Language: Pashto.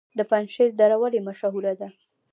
د پنجشیر دره ولې مشهوره ده؟